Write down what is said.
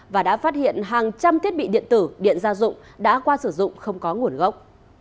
và đã phát hiện hàng trăm thiết bị điện tử điện gia dụng đã qua sử dụng không có nguồn gốc